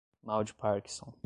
mal de parkinson